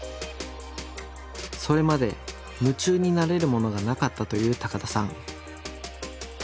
それまで夢中になれるものがなかったという高田さん。